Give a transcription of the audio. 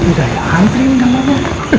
tidak ada yang ngamanya